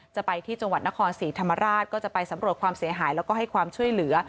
จะไปที่จังหวัดนครศรีธรรมราชก็จะไปสำรวจความเสียหายแล้วก็ให้ความช่วยเหลือ